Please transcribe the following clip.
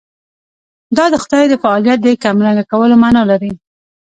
دا د خدای د فاعلیت د کمرنګه کولو معنا لري.